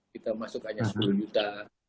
kita masuk hanya sepuluh juta